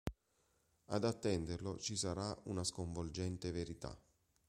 Ad attenderlo ci sarà una sconvolgente verità.